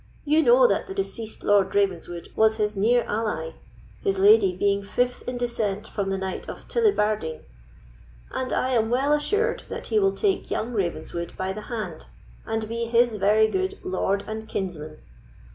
You know that the deceased Lord Ravenswood was his near ally, his lady being fifth in descent from the Knight of Tillibardine; and I am well assured that he will take young Ravenswood by the hand, and be his very good lord and kinsman.